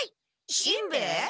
しんべヱ？